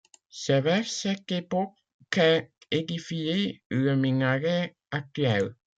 C'est vers cette époque qu'est édifié le minaret actuel.